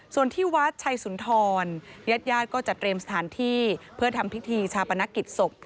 ส่วนที่วัดชัยสุนทรญาติญาติก็จะเตรียมสถานที่เพื่อทำพิธีชาปนกิจศพ